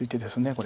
これ。